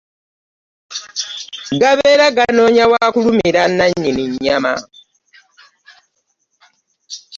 Gabeera ganonya wa kulumira nanyini nyama .